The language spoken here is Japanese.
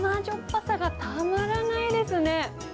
ぱさがたまらないですね。